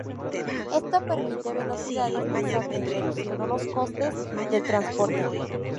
Esto permite velocidades más alta reduciendo los costes del transporte.